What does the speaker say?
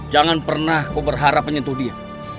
jangan pernah kau berharap menyentuh dia